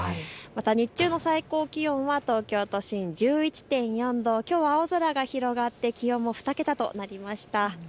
また日中の最高気温は東京都心、１１．４度、きょうは青空が広がって気温も２桁となりました。